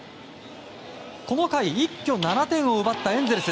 この回一挙７点を奪ったエンゼルス。